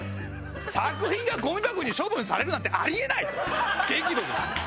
「作品がゴミ箱に処分されるなんてありえない」と激怒です。